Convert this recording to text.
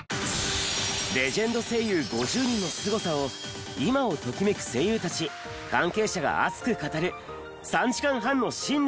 レジェンド声優５０人のスゴさを今をときめく声優たち関係者が熱く語る３時間半の新年